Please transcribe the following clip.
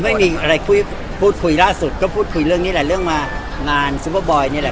ไม่มีอะไรคุยพูดคุยล่าสุดก็พูดคุยเรื่องนี้แหละเรื่องมางานซุปเปอร์บอยนี่แหละ